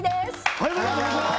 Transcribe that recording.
おはようございます